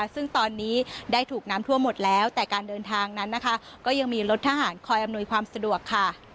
ซึ่งตอนนี้ได้ถูกน้ำท่วมหมดแล้วแต่การเดินทางนั้นนะคะก็ยังมีรถทหารคอยอำนวยความสะดวกค่ะ